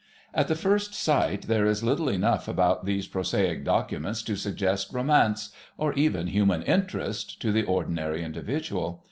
At the first sight there is little enough about these prosaic documents to suggest romance or even human interest to the ordinary individual.